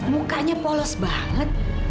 mukanya polos banget